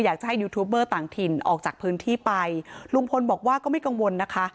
อยากจะให้ยูทูบเบอร์ต่างถิ่นออกจากพื้นที่ไปลุงพลบอกว่าก็ไม่กังวลนะคะ